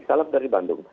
salam dari bandung